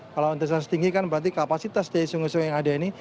kalau intensitas tinggi kan berarti kapasitas dari sungai sungai yang ada ini